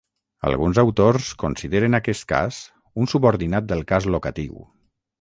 Alguns autors consideren aquest cas un subordinat del cas locatiu.